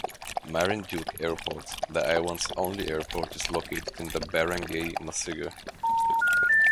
Marinduque Airport, the island's only airport, is located in Barangay Masiga.